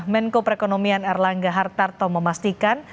menko perekonomian erlangga hartarto memastikan